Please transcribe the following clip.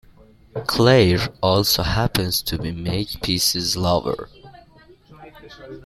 Claire also happens to be Makepeace's lover.